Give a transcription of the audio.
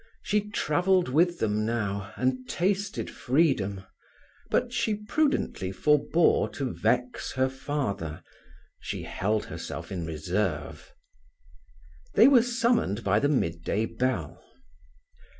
She travelled with them now, and tasted freedom, but she prudently forbore to vex her father; she held herself in reserve. They were summoned by the midday bell.